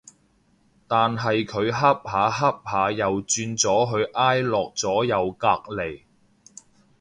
但係佢恰下恰下又轉咗去挨落咗右隔離